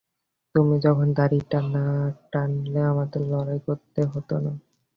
তুমি তখন দড়িটা না কাটলে আমাদের লড়াই করতেই হতো না।